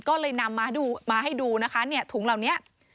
ก็เลยนำมาดูมาให้ดูนะคะทุกหุ้งเหล่านี้